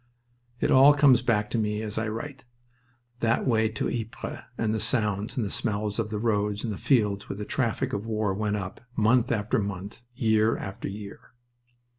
It all comes back to me as I write that way to Ypres, and the sounds and the smells of the roads and fields where the traffic of war went up, month after month, year after year.